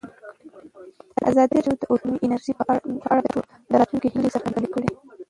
ازادي راډیو د اټومي انرژي په اړه د راتلونکي هیلې څرګندې کړې.